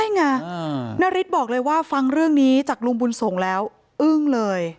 ใช่ไงนาริสบอกเลยว่าฟังเรื่องนี้จากลุงบุญสงฆ์แล้วอึ้งเลย